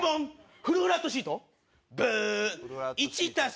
フルフラットシート？